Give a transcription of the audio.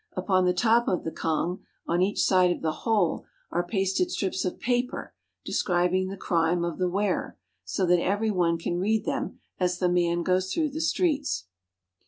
Upon the top of the cangue on each side of the hole are pasted strips of paper describing the crime of the wearer, so that every one can read them as the man goes throuerh the streets.